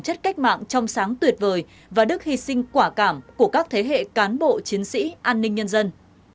chất cách mạng trong sáng tuyệt vời và đức hy sinh quả cảm của các thế hệ cán bộ chiến sĩ an ninh nhân dân